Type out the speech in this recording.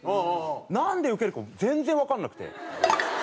なんでウケるか全然わかんなくて。